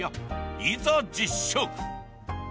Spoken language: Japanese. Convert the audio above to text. いざ実食！